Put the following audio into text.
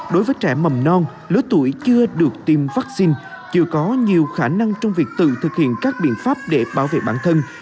đối với trẻ mầm non lứa tuổi chưa được tiêm vaccine chưa có nhiều khả năng trong việc tự thực hiện các biện pháp để bảo vệ bản thân